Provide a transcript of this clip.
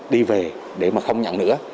đi về để mà không nhận nữa